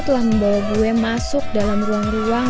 telah membawa gue masuk dalam ruang ruang